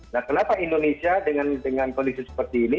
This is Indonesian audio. nah kenapa indonesia dengan kondisi seperti ini